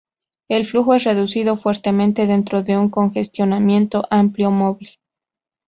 El flujo es reducido fuertemente dentro de un congestionamiento ampliado móvil.